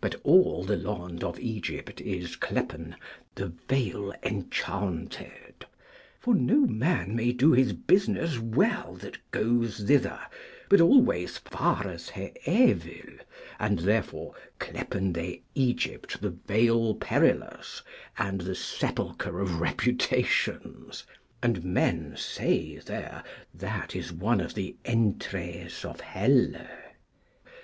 But all the Lond of Egypt is clepen the Vale enchaunted; for no man may do his business well that goes thither, but always fares he evil, and therefore clepen they Egypt the Vale perilous, and the sepulchre of reputations. And men say there that is one of the entrees of Helle.